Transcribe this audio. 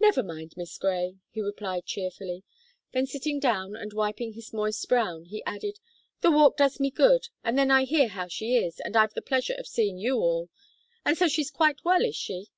"Never mind, Miss Gray," he replied cheerfully; then sitting down, and wiping his moist brow, he added "the walk does me good, and then I hear how she is, and I've the pleasure of seeing you all. And so she's quite well, is she?"